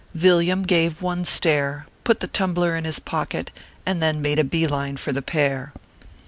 Villiam gave one stare, put the tumbler in his pocket, and then made a bee line for the pair.